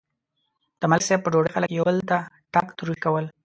د ملک صاحب په ډوډۍ خلک یو بل ته ټاک تروش کول.